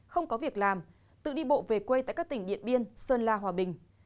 không có việc làm tự đi bộ về quê tại các tỉnh điện biên sơn la hòa bình